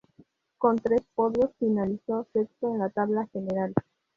Con tres podios finalizó sexto en la tabla general.